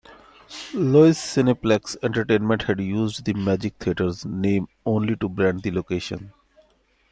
Loews Cineplex Entertainment had used the Magic Theatres name only to brand the location.